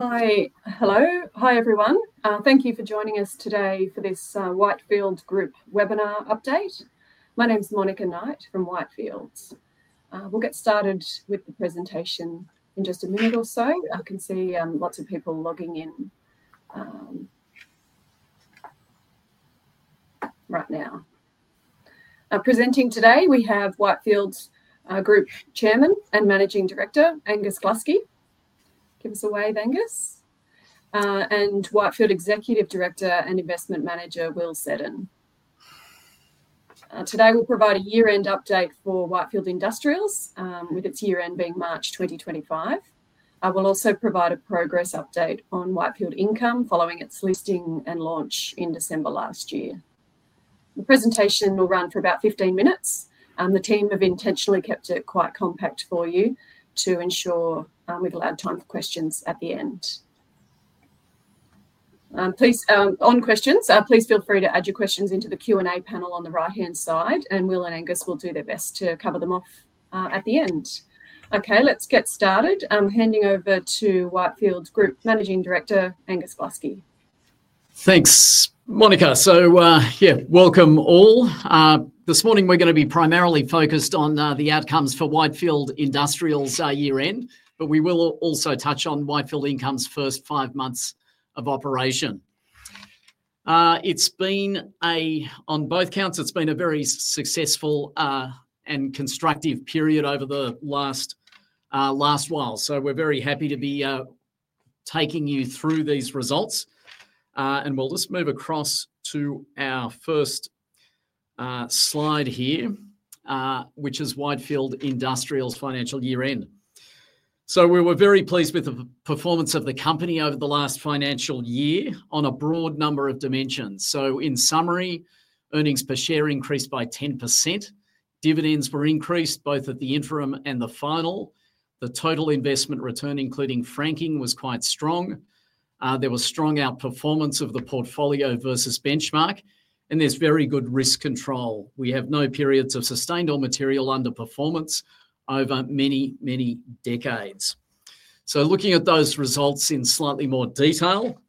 Hi, hello, hi everyone. Thank you for joining us today for this Whitefield Group webinar update. My name is Monica Knight from Whitefield. We'll get started with the presentation in just a minute or so. I can see lots of people logging in right now. Presenting today, we have Whitefield Group Chairman and Managing Director, Angus Gluskie. Give us a wave, Angus. And Whitefield Executive Director and Investment Manager, Will Seddon. Today we'll provide a year-end update for Whitefield Industrials, with its year-end being March 2025. We'll also provide a progress update on Whitefield Income following its listing and launch in December last year. The presentation will run for about 15 minutes, and the team have intentionally kept it quite compact for you to ensure we've allowed time for questions at the end. On questions, please feel free to add your questions into the Q&A panel on the right-hand side, and Will and Angus will do their best to cover them off at the end. Okay, let's get started. I'm handing over to Whitefield Group Managing Director, Angus Gluskie. Thanks, Monica. Yeah, welcome all. This morning we're going to be primarily focused on the outcomes for Whitefield Industrials year-end, but we will also touch on Whitefield Income's first five months of operation. On both counts, it's been a very successful and constructive period over the last while. We're very happy to be taking you through these results. We'll just move across to our first slide here, which is Whitefield Industrials' financial year-end. We were very pleased with the performance of the company over the last financial year on a broad number of dimensions. In summary, earnings per share increased by 10%, dividends were increased both at the interim and the final. The total investment return, including franking, was quite strong. There was strong outperformance of the portfolio versus benchmark, and there's very good risk control. We have no periods of sustained or material underperformance over many, many decades. Looking at those results in slightly more detail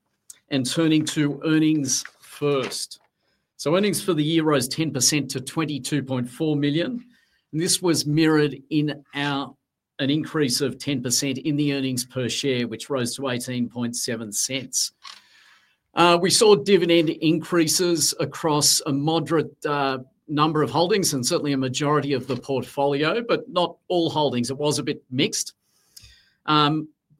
and turning to earnings first. Earnings for the year rose 10% to 22.4 million. This was mirrored in an increase of 10% in the earnings per share, which rose to 0.187. We saw dividend increases across a moderate number of holdings and certainly a majority of the portfolio, but not all holdings. It was a bit mixed.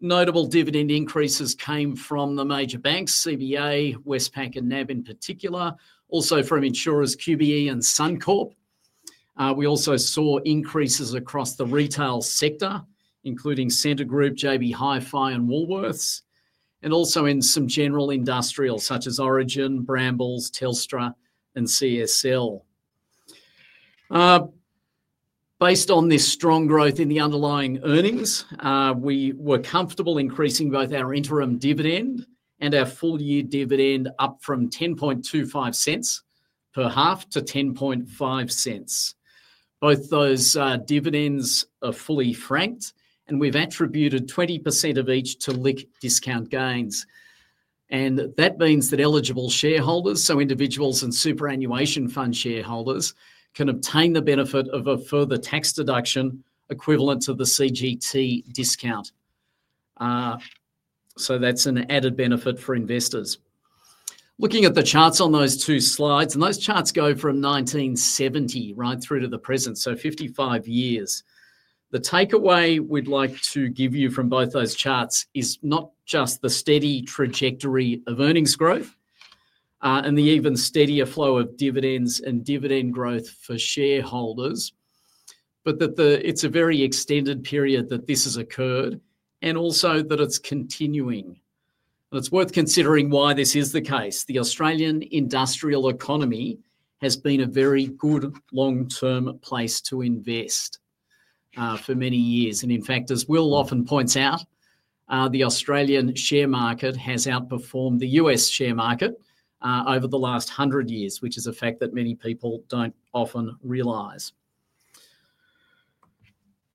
Notable dividend increases came from the major banks, CBA, Westpac, and NAB in particular, also from insurers QBE and Suncorp. We also saw increases across the retail sector, including Scentre Group, JB Hi-Fi, and Woolworths, and also in some general industrials such as Origin, Brambles, Telstra, and CSL. Based on this strong growth in the underlying earnings, we were comfortable increasing both our interim dividend and our full-year dividend up from 0.1025 per half to 0.105. Both those dividends are fully franked, and we've attributed 20% of each to LIC discount gains. That means that eligible shareholders, so individuals and superannuation fund shareholders, can obtain the benefit of a further tax deduction equivalent to the CGT discount. That's an added benefit for investors. Looking at the charts on those two slides, and those charts go from 1970 right through to the present, so 55 years. The takeaway we'd like to give you from both those charts is not just the steady trajectory of earnings growth and the even steadier flow of dividends and dividend growth for shareholders, but that it's a very extended period that this has occurred and also that it's continuing. It is worth considering why this is the case. The Australian industrial economy has been a very good long-term place to invest for many years. In fact, as Will often points out, the Australian share market has outperformed the US share market over the last 100 years, which is a fact that many people do not often realize.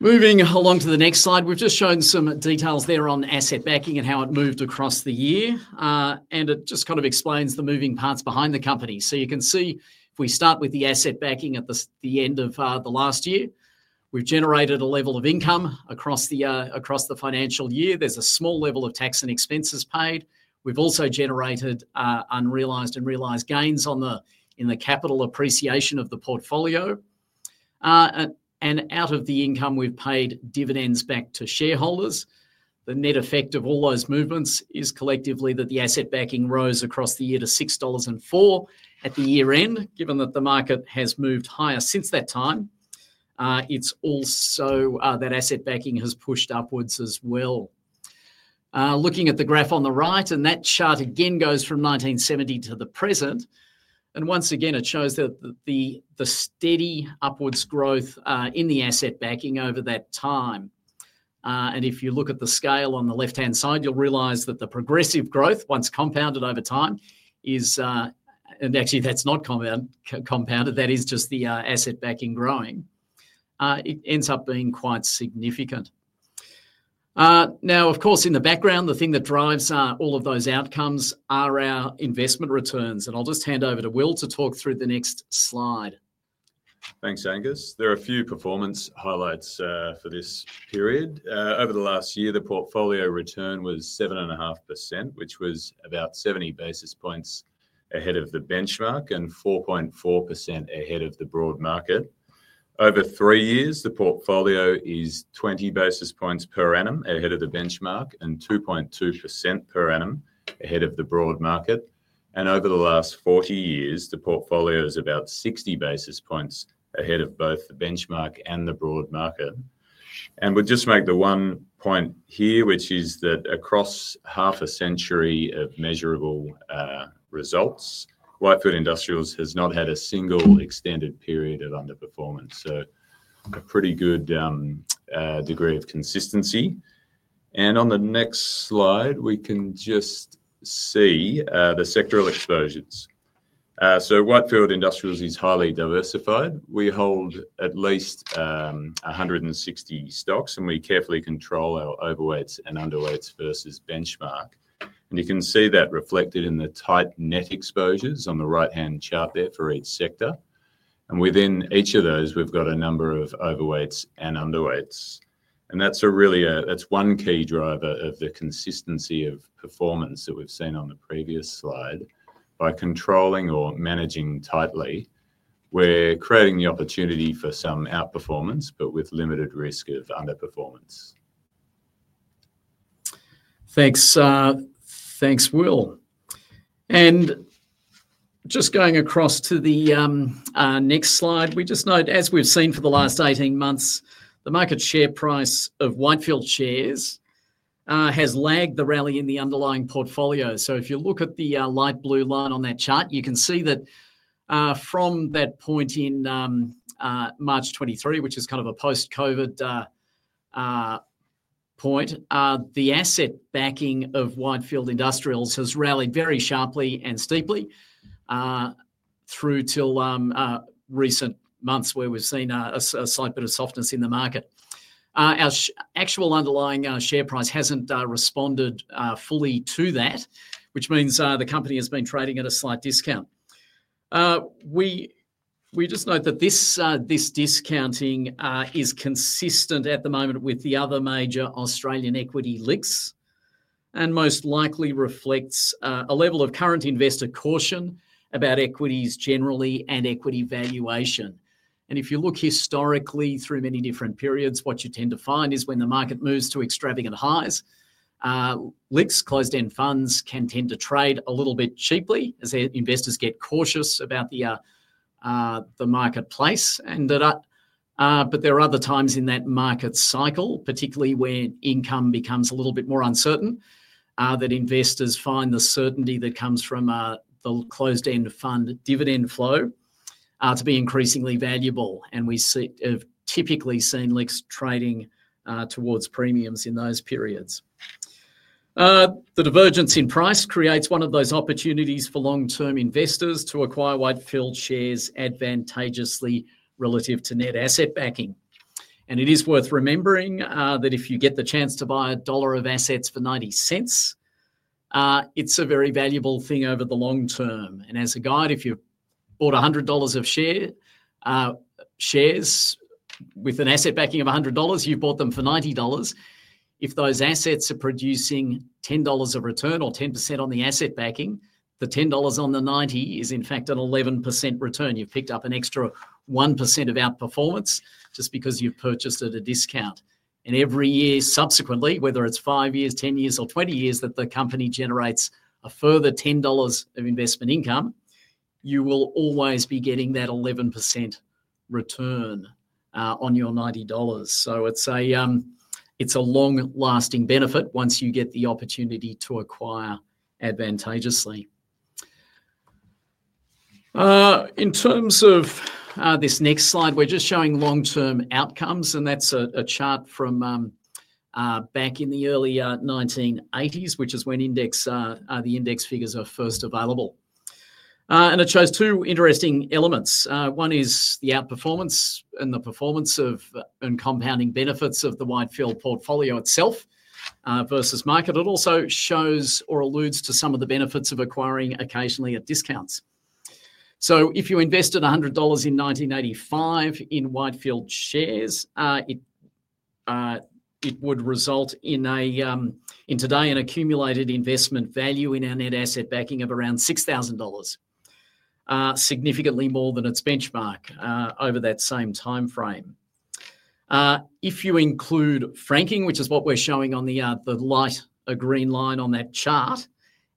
Moving along to the next slide, we have just shown some details there on asset backing and how it moved across the year. It just kind of explains the moving parts behind the company. You can see if we start with the asset backing at the end of the last year, we have generated a level of income across the financial year. There is a small level of tax and expenses paid. We have also generated unrealized and realized gains in the capital appreciation of the portfolio. Out of the income, we've paid dividends back to shareholders. The net effect of all those movements is collectively that the asset backing rose across the year to 6.04 dollars at the year-end, given that the market has moved higher since that time. It is also that asset backing has pushed upwards as well. Looking at the graph on the right, and that chart again goes from 1970 to the present. Once again, it shows the steady upwards growth in the asset backing over that time. If you look at the scale on the left-hand side, you'll realize that the progressive growth, once compounded over time, is—and actually, that's not compounded; that is just the asset backing growing—it ends up being quite significant. Of course, in the background, the thing that drives all of those outcomes are our investment returns. I'll just hand over to Will to talk through the next slide. Thanks, Angus. There are a few performance highlights for this period. Over the last year, the portfolio return was 7.5%, which was about 70 basis points ahead of the benchmark and 4.4% ahead of the broad market. Over three years, the portfolio is 20 basis points per annum ahead of the benchmark and 2.2% per annum ahead of the broad market. Over the last 40 years, the portfolio is about 60 basis points ahead of both the benchmark and the broad market. We'll just make the one point here, which is that across half a century of measurable results, Whitefield Industrials has not had a single extended period of underperformance. A pretty good degree of consistency. On the next slide, we can just see the sectoral exposures. Whitefield Industrials is highly diversified. We hold at least 160 stocks, and we carefully control our overweights and underweights versus benchmark. You can see that reflected in the tight net exposures on the right-hand chart there for each sector. Within each of those, we've got a number of overweights and underweights. That's really a—that's one key driver of the consistency of performance that we've seen on the previous slide. By controlling or managing tightly, we're creating the opportunity for some outperformance, but with limited risk of underperformance. Thanks. Thanks, Will. Just going across to the next slide, we just note, as we've seen for the last 18 months, the market share price of Whitefield shares has lagged the rally in the underlying portfolio. If you look at the light blue line on that chart, you can see that from that point in March 2023, which is kind of a post-COVID point, the asset backing of Whitefield Industrials has rallied very sharply and steeply through till recent months where we've seen a slight bit of softness in the market. Our actual underlying share price has not responded fully to that, which means the company has been trading at a slight discount. We just note that this discounting is consistent at the moment with the other major Australian equity LICs and most likely reflects a level of current investor caution about equities generally and equity valuation. If you look historically through many different periods, what you tend to find is when the market moves to extravagant highs, LICs, closed-end funds can tend to trade a little bit cheaply as investors get cautious about the marketplace. There are other times in that market cycle, particularly when income becomes a little bit more uncertain, that investors find the certainty that comes from the closed-end fund dividend flow to be increasingly valuable. We have typically seen LICs trading towards premiums in those periods. The divergence in price creates one of those opportunities for long-term investors to acquire Whitefield shares advantageously relative to net asset backing. It is worth remembering that if you get the chance to buy a dollar of assets for 90 cents, it is a very valuable thing over the long term. As a guide, if you've bought $100 of shares with an asset backing of $100, you bought them for $90. If those assets are producing $10 of return or 10% on the asset backing, the $10 on the 90 is in fact an 11% return. You've picked up an extra 1% of outperformance just because you've purchased at a discount. Every year subsequently, whether it's five years, 10 years, or 20 years that the company generates a further $10 of investment income, you will always be getting that 11% return on your $90. It is a long-lasting benefit once you get the opportunity to acquire advantageously. In terms of this next slide, we're just showing long-term outcomes, and that's a chart from back in the early 1980s, which is when the index figures are first available. It shows two interesting elements. One is the outperformance and the performance and compounding benefits of the Whitefield portfolio itself versus market. It also shows or alludes to some of the benefits of acquiring occasionally at discounts. If you invested 100 dollars in 1985 in Whitefield shares, it would result in today an accumulated investment value in our net asset backing of around 6,000 dollars, significantly more than its benchmark over that same timeframe. If you include franking, which is what we are showing on the light green line on that chart,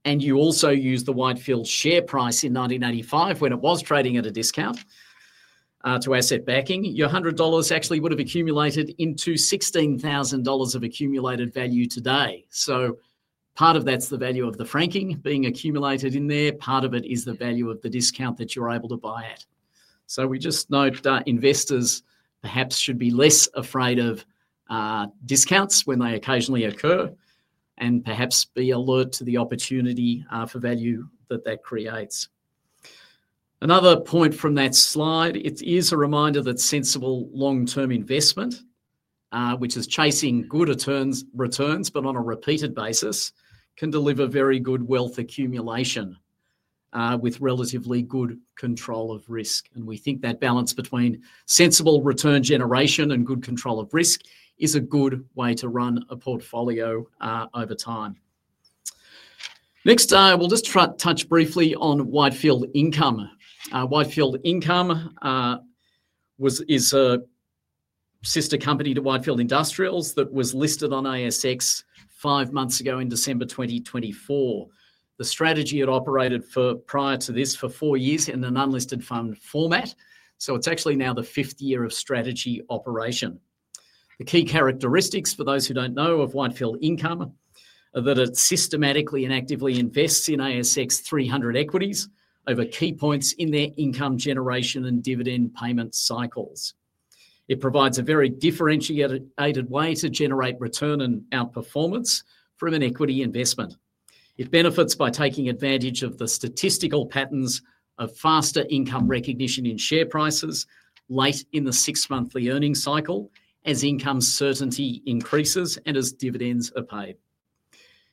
and you also use the Whitefield share price in 1985 when it was trading at a discount to asset backing, your 100 dollars actually would have accumulated into 16,000 dollars of accumulated value today. Part of that is the value of the franking being accumulated in there. Part of it is the value of the discount that you are able to buy at. We just note investors perhaps should be less afraid of discounts when they occasionally occur and perhaps be alert to the opportunity for value that that creates. Another point from that slide, it is a reminder that sensible long-term investment, which is chasing good returns, but on a repeated basis, can deliver very good wealth accumulation with relatively good control of risk. We think that balance between sensible return generation and good control of risk is a good way to run a portfolio over time. Next, we'll just touch briefly on Whitefield Income. Whitefield Income is a sister company to Whitefield Industrials that was listed on ASX five months ago in December 2024. The strategy had operated prior to this for four years in an unlisted fund format. It is actually now the fifth year of strategy operation. The key characteristics for those who do not know of Whitefield Income are that it systematically and actively invests in ASX 300 equities over key points in their income generation and dividend payment cycles. It provides a very differentiated way to generate return and outperformance from an equity investment. It benefits by taking advantage of the statistical patterns of faster income recognition in share prices late in the six-monthly earnings cycle as income certainty increases and as dividends are paid.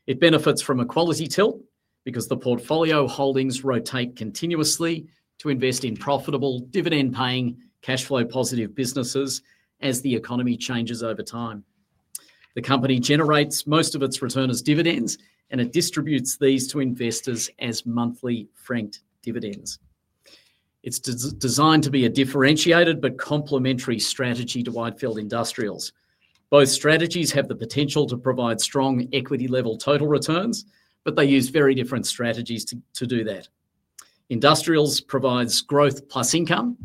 It benefits from a quality tilt because the portfolio holdings rotate continuously to invest in profitable dividend-paying, cash flow-positive businesses as the economy changes over time. The company generates most of its return as dividends and it distributes these to investors as monthly franked dividends. It is designed to be a differentiated but complementary strategy to Whitefield Industrials. Both strategies have the potential to provide strong equity-level total returns, but they use very different strategies to do that. Industrials provides growth plus income.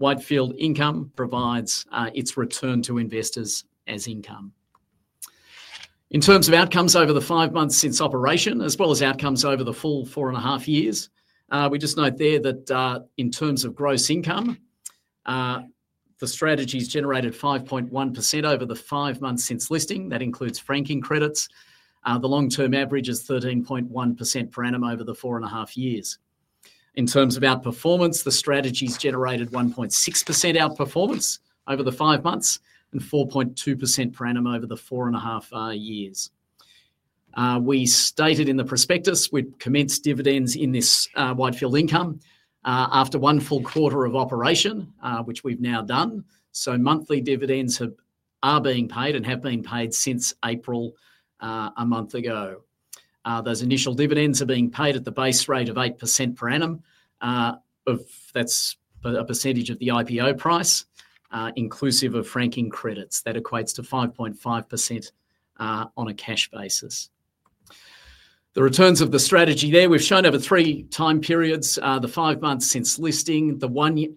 Whitefield Income provides its return to investors as income. In terms of outcomes over the five months since operation, as well as outcomes over the full four and a half years, we just note there that in terms of gross income, the strategy has generated 5.1% over the five months since listing. That includes franking credits. The long-term average is 13.1% per annum over the four and a half years. In terms of outperformance, the strategy has generated 1.6% outperformance over the five months and 4.2% per annum over the four and a half years. We stated in the prospectus we'd commence dividends in this Whitefield Income after one full quarter of operation, which we've now done. Monthly dividends are being paid and have been paid since April a month ago. Those initial dividends are being paid at the base rate of 8% per annum. That is a percentage of the IPO price, inclusive of franking credits. That equates to 5.5% on a cash basis. The returns of the strategy there, we have shown over three time periods, the five months since listing,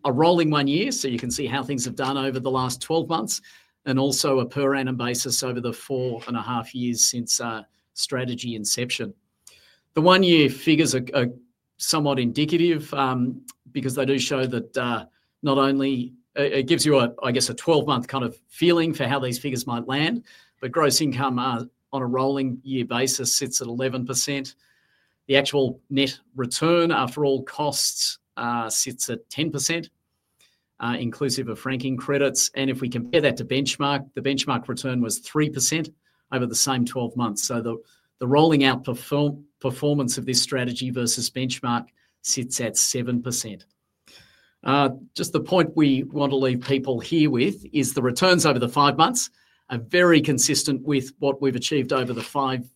a rolling one year, so you can see how things have done over the last 12 months, and also a per annum basis over the four and a half years since strategy inception. The one-year figures are somewhat indicative because they do show that not only it gives you, I guess, a 12-month kind of feeling for how these figures might land, but gross income on a rolling year basis sits at 11%. The actual net return after all costs sits at 10%, inclusive of franking credits. If we compare that to benchmark, the benchmark return was 3% over the same 12 months. The rolling outperformance of this strategy versus benchmark sits at 7%. Just the point we want to leave people here with is the returns over the five months are very consistent with what we've achieved over the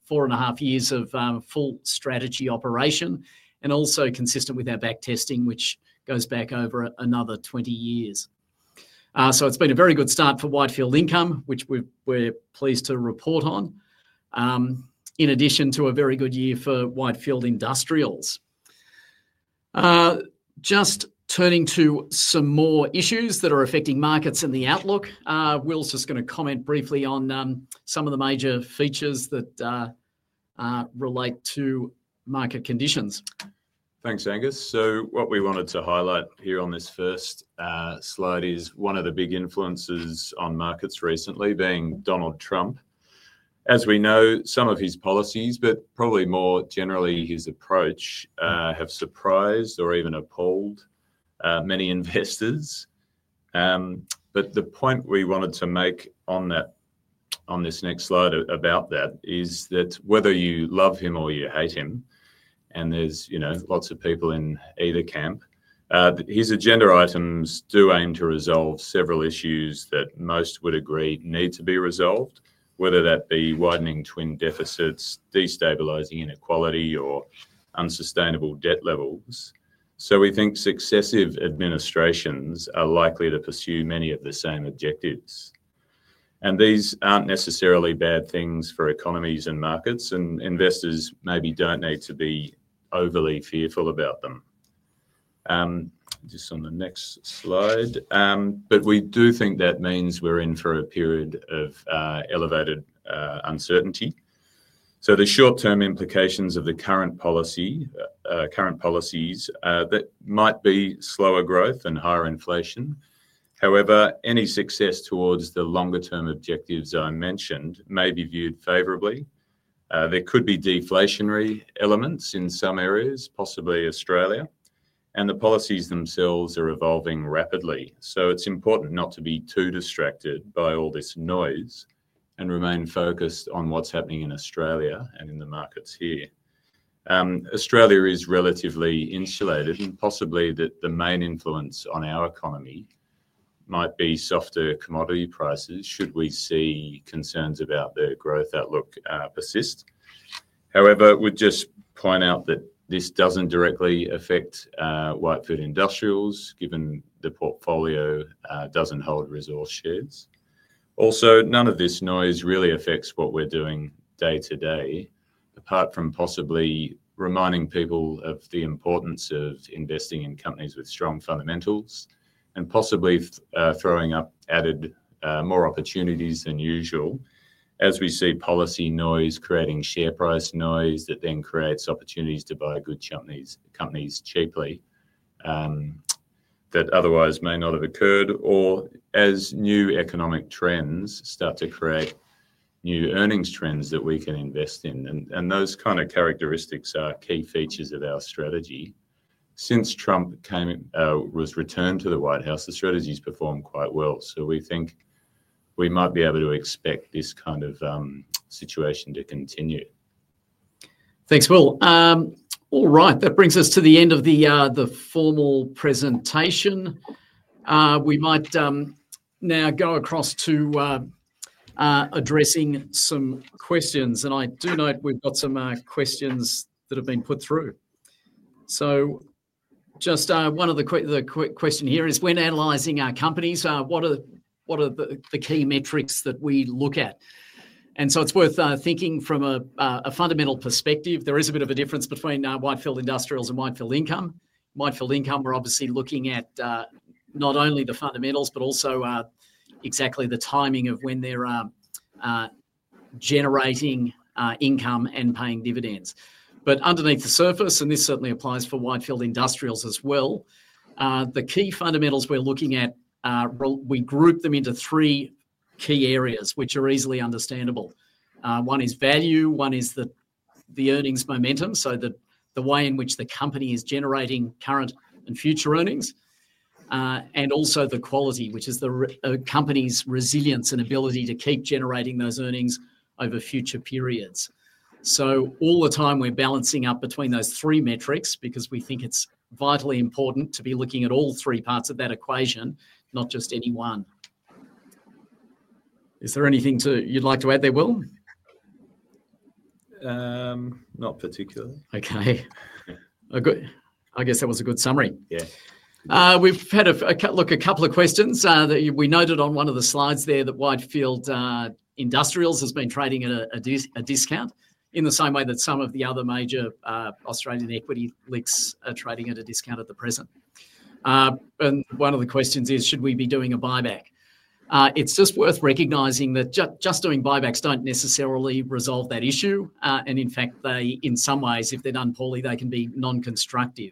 four and a half years of full strategy operation and also consistent with our back testing, which goes back over another 20 years. It has been a very good start for Whitefield Income, which we're pleased to report on, in addition to a very good year for Whitefield Industrials. Just turning to some more issues that are affecting markets and the outlook, Will's just going to comment briefly on some of the major features that relate to market conditions. Thanks, Angus. What we wanted to highlight here on this first slide is one of the big influences on markets recently being Donald Trump. As we know, some of his policies, but probably more generally his approach, have surprised or even appalled many investors. The point we wanted to make on this next slide about that is that whether you love him or you hate him, and there are lots of people in either camp, his agenda items do aim to resolve several issues that most would agree need to be resolved, whether that be widening twin deficits, destabilizing inequality, or unsustainable debt levels. We think successive administrations are likely to pursue many of the same objectives. These are not necessarily bad things for economies and markets, and investors maybe do not need to be overly fearful about them. Just on the next slide. We do think that means we're in for a period of elevated uncertainty. The short-term implications of the current policies might be slower growth and higher inflation. However, any success towards the longer-term objectives I mentioned may be viewed favorably. There could be deflationary elements in some areas, possibly Australia. The policies themselves are evolving rapidly. It's important not to be too distracted by all this noise and remain focused on what's happening in Australia and in the markets here. Australia is relatively insulated, and possibly the main influence on our economy might be softer commodity prices should we see concerns about their growth outlook persist. However, we'd just point out that this doesn't directly affect Whitefield Industrials given the portfolio doesn't hold resource shares. Also, none of this noise really affects what we're doing day to day, apart from possibly reminding people of the importance of investing in companies with strong fundamentals and possibly throwing up added more opportunities than usual as we see policy noise creating share price noise that then creates opportunities to buy good companies cheaply that otherwise may not have occurred or as new economic trends start to create new earnings trends that we can invest in. Those kind of characteristics are key features of our strategy. Since Trump was returned to the White House, the strategy has performed quite well. We think we might be able to expect this kind of situation to continue. Thanks, Will. All right, that brings us to the end of the formal presentation. We might now go across to addressing some questions. I do note we've got some questions that have been put through. Just one of the quick questions here is when analyzing our companies, what are the key metrics that we look at? It's worth thinking from a fundamental perspective. There is a bit of a difference between Whitefield Industrials and Whitefield Income. Whitefield Income, we're obviously looking at not only the fundamentals, but also exactly the timing of when they're generating income and paying dividends. Underneath the surface, and this certainly applies for Whitefield Industrials as well, the key fundamentals we're looking at, we group them into three key areas, which are easily understandable. One is value. One is the earnings momentum, so the way in which the company is generating current and future earnings, and also the quality, which is the company's resilience and ability to keep generating those earnings over future periods. All the time we're balancing up between those three metrics because we think it's vitally important to be looking at all three parts of that equation, not just any one. Is there anything you'd like to add there, Will? Not particularly. Okay. I guess that was a good summary. Yeah. We've had a couple of questions. We noted on one of the slides there that Whitefield Industrials has been trading at a discount in the same way that some of the other major Australian equity LICs are trading at a discount at the present. One of the questions is, should we be doing a buyback? It's just worth recognizing that just doing buybacks don't necessarily resolve that issue. In fact, in some ways, if they're done poorly, they can be non-constructive.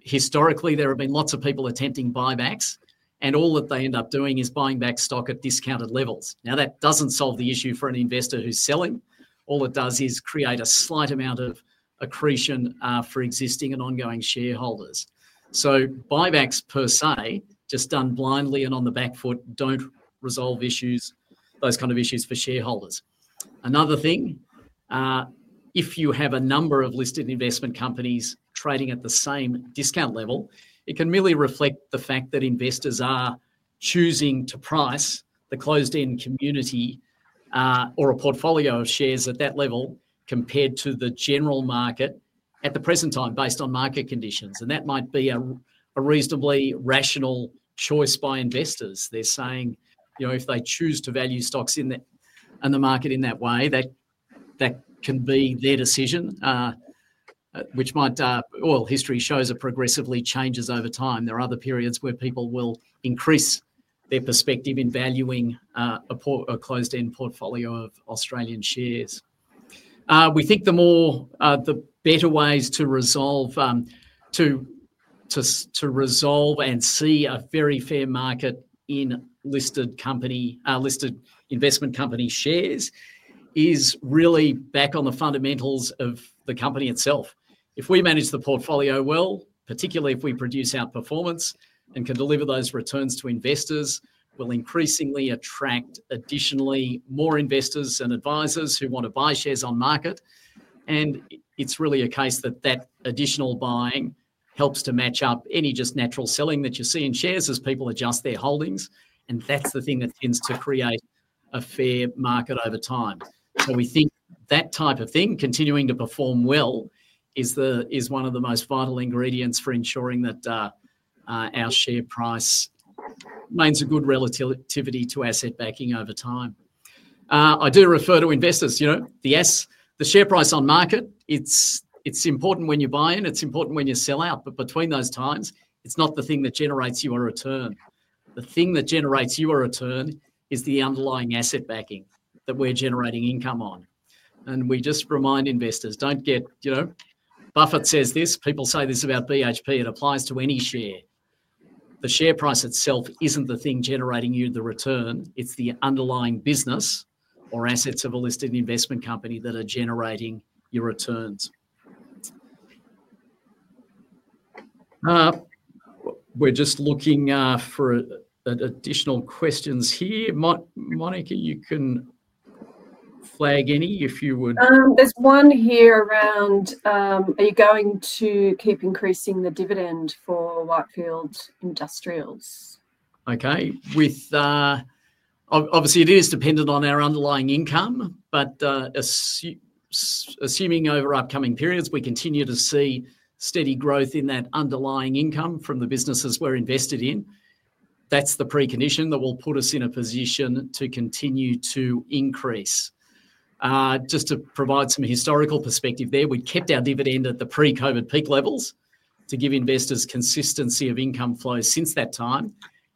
Historically, there have been lots of people attempting buybacks, and all that they end up doing is buying back stock at discounted levels. That doesn't solve the issue for an investor who's selling. All it does is create a slight amount of accretion for existing and ongoing shareholders. Buybacks per se, just done blindly and on the back foot, do not resolve issues, those kind of issues for shareholders. Another thing, if you have a number of listed investment companies trading at the same discount level, it can really reflect the fact that investors are choosing to price the closed-in community or a portfolio of shares at that level compared to the general market at the present time based on market conditions. That might be a reasonably rational choice by investors. They are saying if they choose to value stocks in the market in that way, that can be their decision, which might, well, history shows it progressively changes over time. There are other periods where people will increase their perspective in valuing a closed-in portfolio of Australian shares. We think the better ways to resolve and see a very fair market in listed investment company shares is really back on the fundamentals of the company itself. If we manage the portfolio well, particularly if we produce outperformance and can deliver those returns to investors, we'll increasingly attract additionally more investors and advisors who want to buy shares on market. It is really a case that that additional buying helps to match up any just natural selling that you see in shares as people adjust their holdings. That is the thing that tends to create a fair market over time. We think that type of thing, continuing to perform well, is one of the most vital ingredients for ensuring that our share price maintains a good relativity to asset backing over time. I do refer to investors, the share price on market, it's important when you buy in, it's important when you sell out, but between those times, it's not the thing that generates your return. The thing that generates your return is the underlying asset backing that we're generating income on. And we just remind investors, don't get, t says this, people say this about BHP, it applies to any share. The share price itself isn't the thing generating you the return. It's the underlying business or assets of a listed investment company that are generating your returns. We're just looking for additional questions here. Monica, you can flag any if you would. There's one here around, are you going to keep increasing the dividend for Whitefield Industrials? Okay. Obviously, it is dependent on our underlying income, but assuming over upcoming periods we continue to see steady growth in that underlying income from the businesses we're invested in, that's the precondition that will put us in a position to continue to increase. Just to provide some historical perspective there, we kept our dividend at the pre-COVID peak levels to give investors consistency of income flow since that time.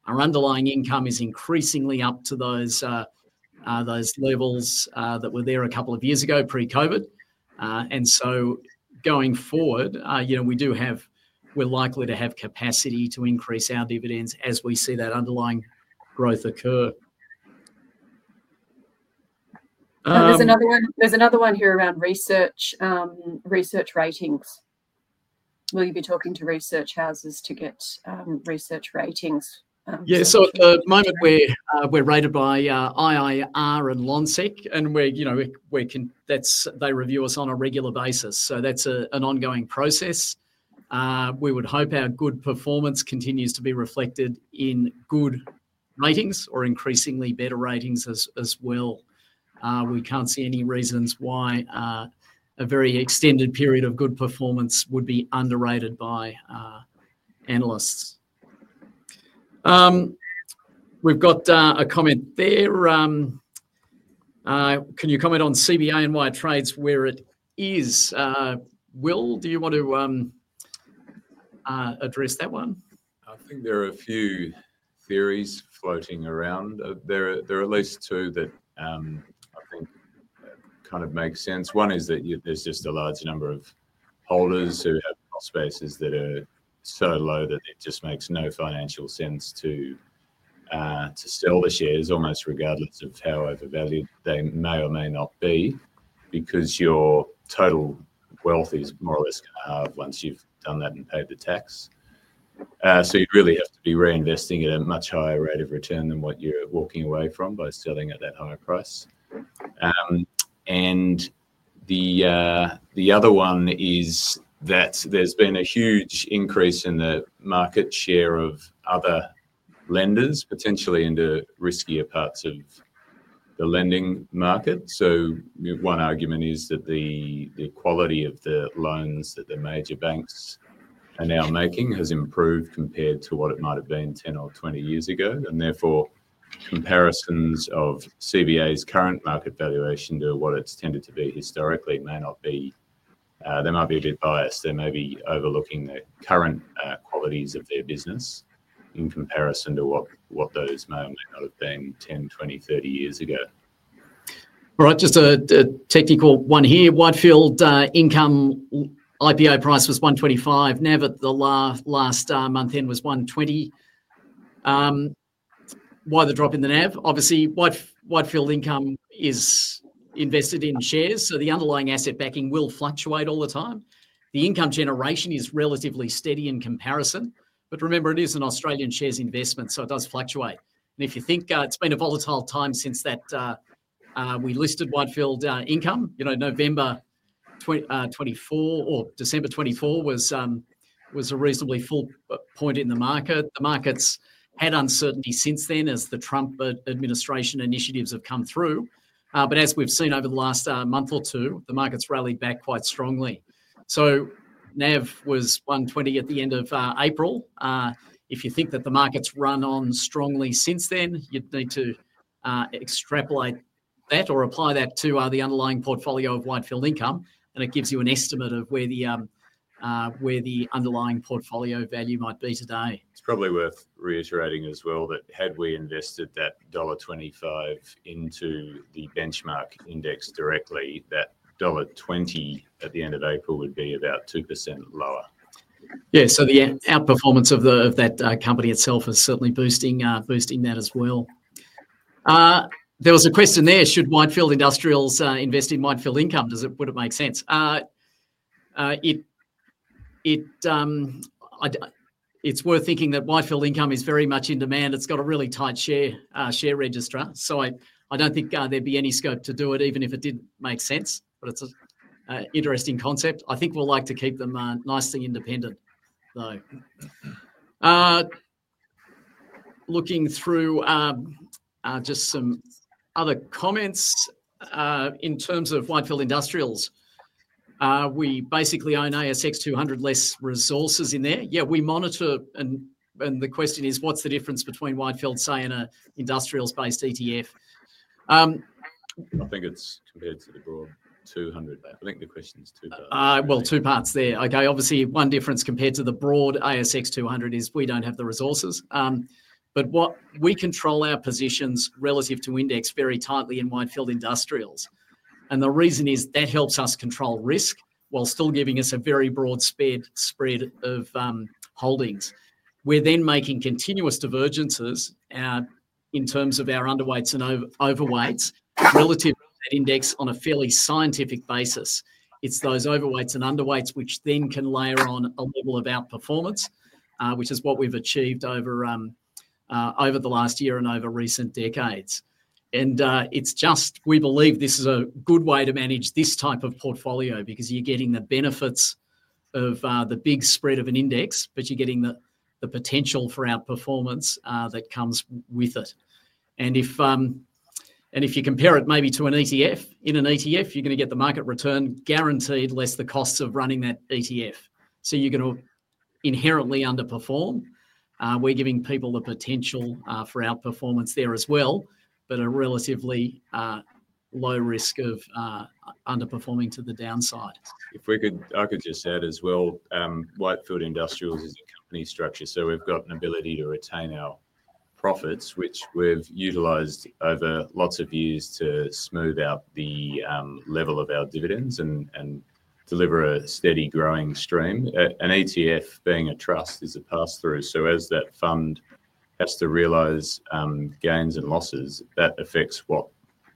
Our underlying income is increasingly up to those levels that were there a couple of years ago pre-COVID. Going forward, we're likely to have capacity to increase our dividends as we see that underlying growth occur. There's another one here around research ratings. Will you be talking to research houses to get research ratings? Yeah. At the moment, we're rated by IIR and Lonsec, and they review us on a regular basis. That is an ongoing process. We would hope our good performance continues to be reflected in good ratings or increasingly better ratings as well. We can't see any reasons why a very extended period of good performance would be underrated by analysts. We've got a comment there. Can you comment on CBA and why it trades where it is? Will, do you want to address that one? I think there are a few theories floating around. There are at least two that I think kind of make sense. One is that there's just a large number of holders who have cost bases that are so low that it just makes no financial sense to sell the shares almost regardless of how overvalued they may or may not be because your total wealth is more or less going to halve once you've done that and paid the tax. You really have to be reinvesting at a much higher rate of return than what you're walking away from by selling at that higher price. The other one is that there's been a huge increase in the market share of other lenders, potentially into riskier parts of the lending market. One argument is that the quality of the loans that the major banks are now making has improved compared to what it might have been 10 or 20 years ago. Therefore, comparisons of CBA's current market valuation to what it has tended to be historically may not be—they might be a bit biased. They may be overlooking the current qualities of their business in comparison to what those may or may not have been 10, 20, 30 years ago. All right, just a technical one here. Whitefield Income IPO price was 1.25. NAV at the last month in was 1.20. Why the drop in the NAV? Obviously, Whitefield Income is invested in shares, so the underlying asset backing will fluctuate all the time. The income generation is relatively steady in comparison. But remember, it is an Australian shares investment, so it does fluctuate. And if you think it's been a volatile time since we listed Whitefield Income, November 2024 or December 2024 was a reasonably full point in the market. The markets had uncertainty since then as the Trump administration initiatives have come through. But as we've seen over the last month or two, the markets rallied back quite strongly. So NAV was 1.20 at the end of April. If you think that the markets run on strongly since then, you'd need to extrapolate that or apply that to the underlying portfolio of Whitefield Income, and it gives you an estimate of where the underlying portfolio value might be today. It's probably worth reiterating as well that had we invested that dollar 1.25 into the benchmark index directly, that dollar 1.20 at the end of April would be about 2% lower. Yeah. So the outperformance of that company itself is certainly boosting that as well. There was a question there. Should Whitefield Industrials invest in Whitefield Income? Would it make sense? It's worth thinking that Whitefield Income is very much in demand. It's got a really tight share register. I don't think there'd be any scope to do it, even if it did make sense. It's an interesting concept. I think we'll like to keep them nicely independent, though. Looking through just some other comments in terms of Whitefield Industrials, we basically own ASX 200-less resources in there. Yeah, we monitor, and the question is, what's the difference between Whitefield, say, and an industrials-based ETF? I think it's compared to the broad 200. I think the question's two-part. Two parts there. Okay. Obviously, one difference compared to the broad ASX 200 is we do not have the resources. We control our positions relative to index very tightly in Whitefield Industrials. The reason is that helps us control risk while still giving us a very broad spread of holdings. We are then making continuous divergences in terms of our underweights and overweights relative to that index on a fairly scientific basis. It is those overweights and underweights which then can layer on a level of outperformance, which is what we have achieved over the last year and over recent decades. We believe this is a good way to manage this type of portfolio because you are getting the benefits of the big spread of an index, but you are getting the potential for outperformance that comes with it. If you compare it maybe to an ETF, in an ETF, you're going to get the market return guaranteed less the costs of running that ETF. You're going to inherently underperform. We're giving people the potential for outperformance there as well, but a relatively low risk of underperforming to the downside. I could just add as well, Whitefield Industrials is a company structure. So we've got an ability to retain our profits, which we've utilized over lots of years to smooth out the level of our dividends and deliver a steady growing stream. An ETF being a trust is a pass-through. So as that fund has to realize gains and losses, that affects what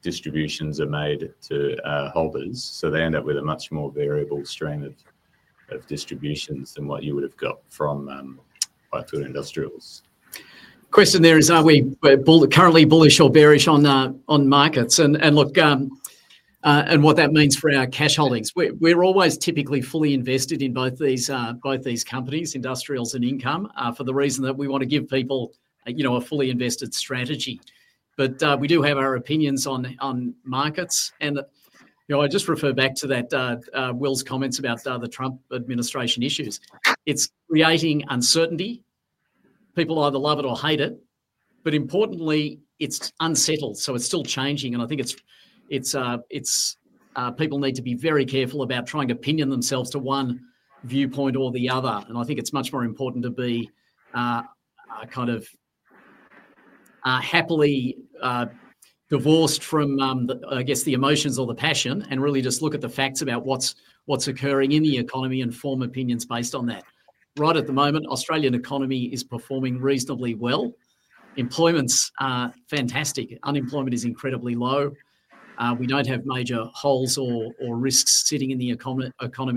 distributions are made to holders. So they end up with a much more variable stream of distributions than what you would have got from Whitefield Industrials. Question there is, are we currently bullish or bearish on markets? Look, and what that means for our cash holdings. We're always typically fully invested in both these companies, Industrials and Income, for the reason that we want to give people a fully invested strategy. We do have our opinions on markets. I just refer back to Will's comments about the Trump administration issues. It's creating uncertainty. People either love it or hate it. Importantly, it's unsettled. It's still changing. I think people need to be very careful about trying to pinion themselves to one viewpoint or the other. I think it's much more important to be kind of happily divorced from, I guess, the emotions or the passion and really just look at the facts about what's occurring in the economy and form opinions based on that. Right at the moment, the Australian economy is performing reasonably well. Employment's fantastic. Unemployment is incredibly low. We do not have major holes or risks sitting in the economy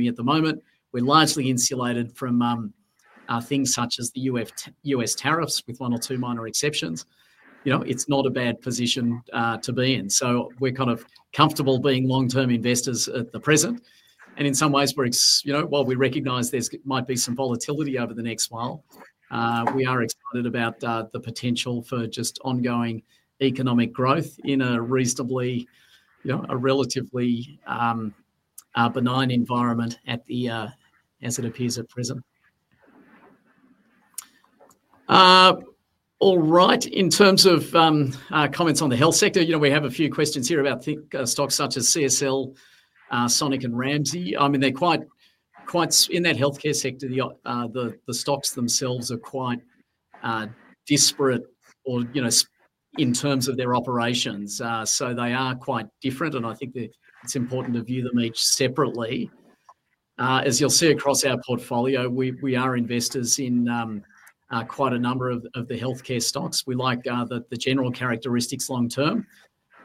at the moment. We are largely insulated from things such as the U.S. tariffs with one or two minor exceptions. It is not a bad position to be in. We are kind of comfortable being long-term investors at the present. In some ways, while we recognize there might be some volatility over the next while, we are excited about the potential for just ongoing economic growth in a relatively benign environment as it appears at present. All right. In terms of comments on the health sector, we have a few questions here about stocks such as CSL, Sonic, and Ramsay. I mean, in that healthcare sector, the stocks themselves are quite disparate in terms of their operations. They are quite different. I think it's important to view them each separately. As you'll see across our portfolio, we are investors in quite a number of the healthcare stocks. We like the general characteristics long-term.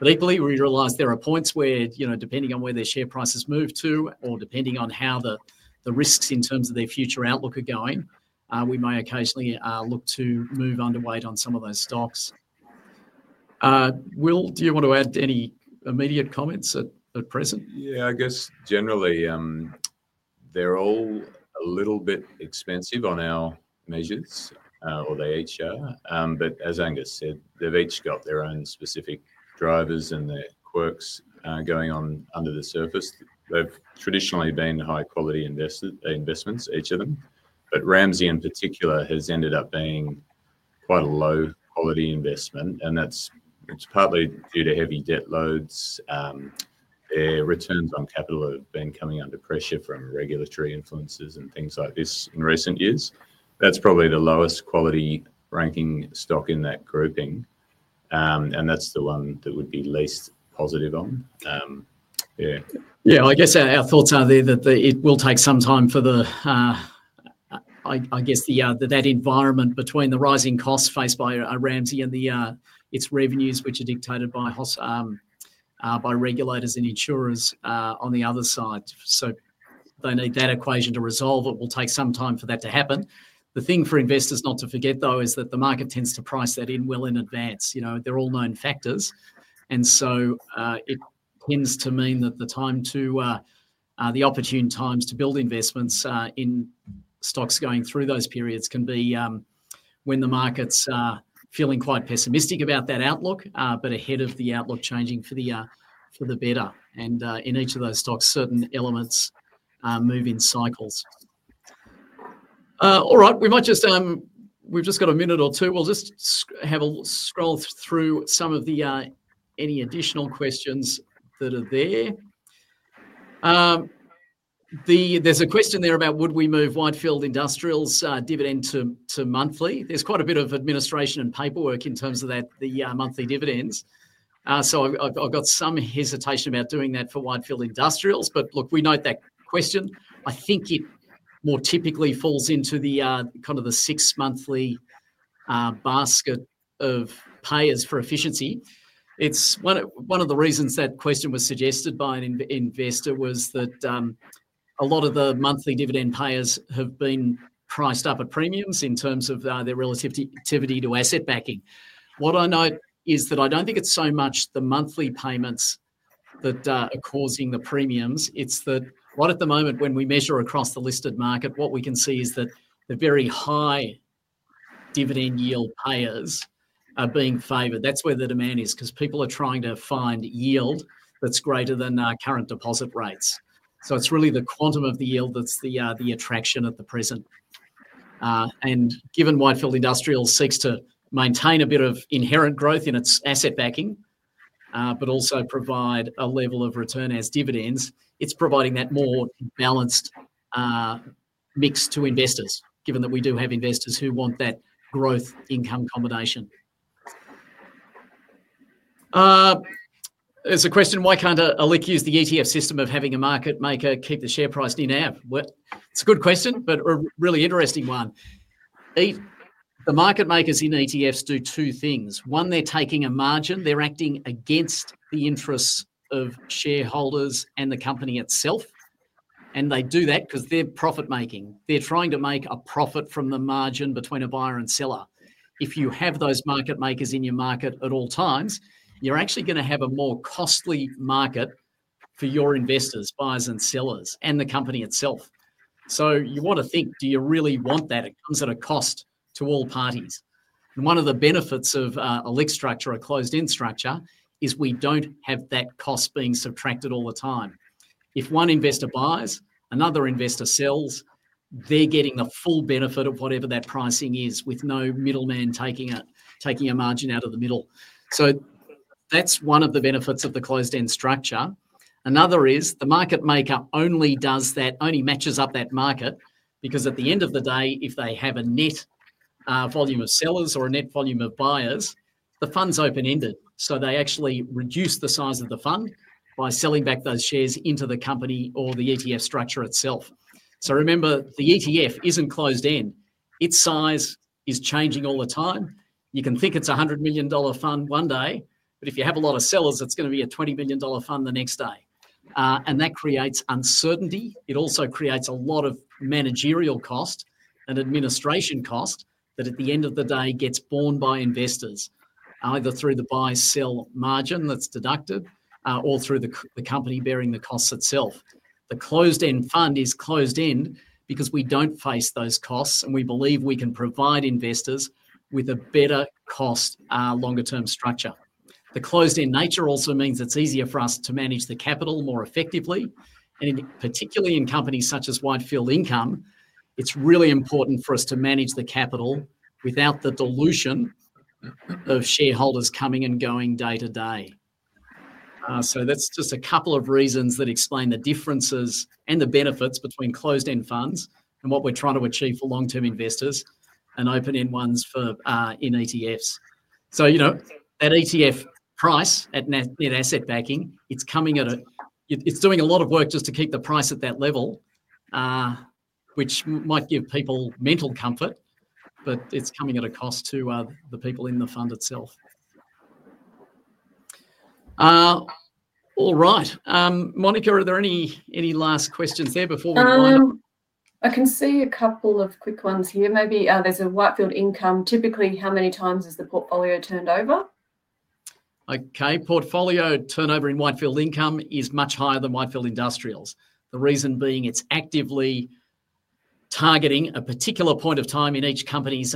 Equally, we realize there are points where, depending on where their share prices move to or depending on how the risks in terms of their future outlook are going, we may occasionally look to move underweight on some of those stocks. Will, do you want to add any immediate comments at present? Yeah. I guess generally, they're all a little bit expensive on our measures or the HR. As Angus said, they've each got their own specific drivers and their quirks going on under the surface. They've traditionally been high-quality investments, each of them. Ramsey in particular has ended up being quite a low-quality investment. That's partly due to heavy debt loads. Their returns on capital have been coming under pressure from regulatory influences and things like this in recent years. That's probably the lowest quality ranking stock in that grouping. That's the one that we would be least positive on. Yeah. Yeah. I guess our thoughts are there that it will take some time for the, I guess, that environment between the rising costs faced by Ramsay and its revenues, which are dictated by regulators and insurers on the other side. They need that equation to resolve. It will take some time for that to happen. The thing for investors not to forget, though, is that the market tends to price that in well in advance. They are all known factors. It tends to mean that the opportune times to build investments in stocks going through those periods can be when the market is feeling quite pessimistic about that outlook, but ahead of the outlook changing for the better. In each of those stocks, certain elements move in cycles. All right. We have just got a minute or two. We'll just have a scroll through some of the any additional questions that are there. There's a question there about would we move Whitefield Industrials' dividend to monthly? There's quite a bit of administration and paperwork in terms of the monthly dividends. I've got some hesitation about doing that for Whitefield Industrials. Look, we note that question. I think it more typically falls into kind of the six-monthly basket of payers for efficiency. One of the reasons that question was suggested by an investor was that a lot of the monthly dividend payers have been priced up at premiums in terms of their relativity to asset backing. What I note is that I don't think it's so much the monthly payments that are causing the premiums. It's that right at the moment, when we measure across the listed market, what we can see is that the very high dividend yield payers are being favored. That's where the demand is because people are trying to find yield that's greater than current deposit rates. It's really the quantum of the yield that's the attraction at the present. Given Whitefield Industrials seeks to maintain a bit of inherent growth in its asset backing, but also provide a level of return as dividends, it's providing that more balanced mix to investors, given that we do have investors who want that growth income combination. There's a question, why can't a LIC use the ETF system of having a market maker keep the share price near NAV? It's a good question, but a really interesting one. The market makers in ETFs do two things. One, they're taking a margin. They're acting against the interests of shareholders and the company itself. They do that because they're profit-making. They're trying to make a profit from the margin between a buyer and seller. If you have those market makers in your market at all times, you're actually going to have a more costly market for your investors, buyers and sellers, and the company itself. You want to think, do you really want that? It comes at a cost to all parties. One of the benefits of a LIC structure or closed-end structure is we don't have that cost being subtracted all the time. If one investor buys, another investor sells, they're getting the full benefit of whatever that pricing is with no middleman taking a margin out of the middle. That's one of the benefits of the closed-end structure. Another is the market maker only matches up that market because at the end of the day, if they have a net volume of sellers or a net volume of buyers, the fund's open-ended. They actually reduce the size of the fund by selling back those shares into the company or the ETF structure itself. Remember, the ETF isn't closed-end. Its size is changing all the time. You can think it's an 100 million dollar fund one day, but if you have a lot of sellers, it's going to be an 20 million dollar fund the next day. That creates uncertainty. It also creates a lot of managerial cost and administration cost that at the end of the day gets borne by investors, either through the buy-sell margin that's deducted or through the company bearing the costs itself. The closed-end fund is closed-end because we do not face those costs, and we believe we can provide investors with a better cost longer-term structure. The closed-end nature also means it is easier for us to manage the capital more effectively. Particularly in companies such as Whitefield Income, it is really important for us to manage the capital without the dilution of shareholders coming and going day to day. That is just a couple of reasons that explain the differences and the benefits between closed-end funds and what we are trying to achieve for long-term investors and open-end ones in ETFs. That ETF price at asset backing, it is doing a lot of work just to keep the price at that level, which might give people mental comfort, but it is coming at a cost to the people in the fund itself. All right. Monica, are there any last questions there before we wind up? I can see a couple of quick ones here. Maybe there is a Whitefield Income. Typically, how many times is the portfolio turned over? Okay. Portfolio turnover in Whitefield Income is much higher than Whitefield Industrials, the reason being it's actively targeting a particular point of time in each company's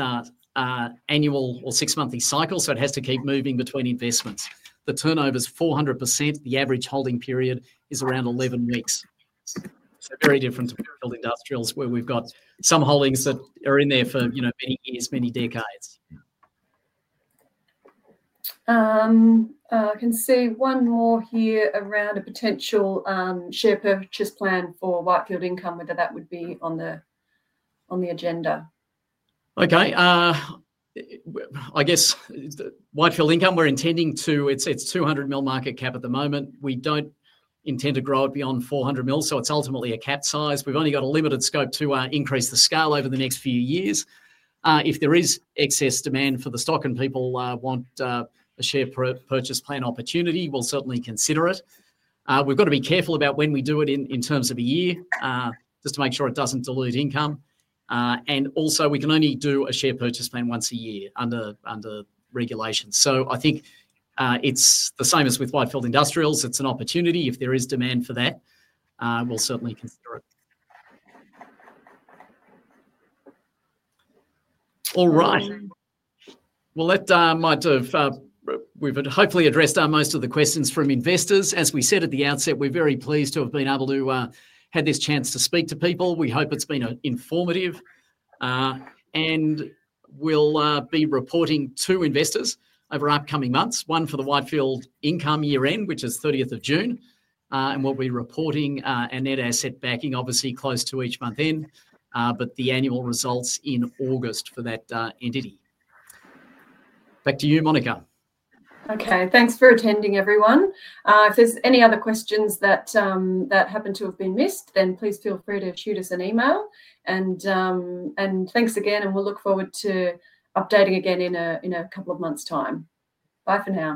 annual or six-monthly cycle. So it has to keep moving between investments. The turnover's 400%. The average holding period is around 11 weeks. So very different to Whitefield Industrials, where we've got some holdings that are in there for many years, many decades. I can see one more here around a potential share purchase plan for Whitefield Income, whether that would be on the agenda. Okay. I guess Whitefield Income, we're intending to, it's 200 million market cap at the moment. We don't intend to grow it beyond 400 million. So it's ultimately a cap size. We've only got a limited scope to increase the scale over the next few years. If there is excess demand for the stock and people want a share purchase plan opportunity, we'll certainly consider it. We've got to be careful about when we do it in terms of a year just to make sure it doesn't dilute income. Also, we can only do a share purchase plan once a year under regulation. I think it's the same as with Whitefield Industrials. It's an opportunity. If there is demand for that, we'll certainly consider it. All right. We've hopefully addressed most of the questions from investors. As we said at the outset, we're very pleased to have been able to have this chance to speak to people. We hope it's been informative. We will be reporting to investors over upcoming months, one for the Whitefield Income year-end, which is 30th of June, and we will be reporting a net asset backing, obviously, close to each month end, but the annual results in August for that entity. Back to you, Monica. Okay. Thanks for attending, everyone. If there are any other questions that happen to have been missed, then please feel free to shoot us an email. Thanks again. We will look forward to updating again in a couple of months' time. Bye for now.